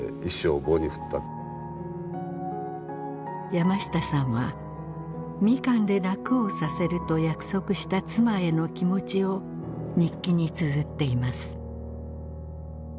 山下さんはミカンで楽をさせると約束した妻への気持ちを日記につづっています。